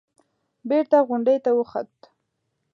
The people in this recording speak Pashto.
بېرته غونډۍ ته وخوت.